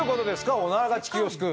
オナラが地球を救う？